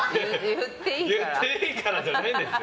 言っていいからじゃないですよ。